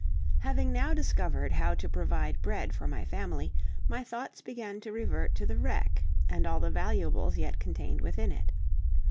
Having now discovered how to provide bread for my family, my thoughts began to revert to the wreck and all the valuables yet contained within it.